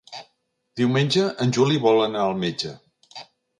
Diumenge en Juli vol anar al metge.